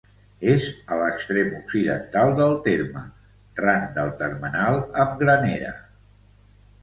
És a l'extrem occidental del terme, ran del termenal amb Granera.